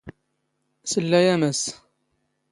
ⵙⵍⵍⴰ ⴰ ⵎⴰⵙⵙ.